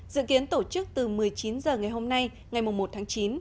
dự kiến tổ chức từ một mươi chín h ngày hôm nay ngày một tháng chín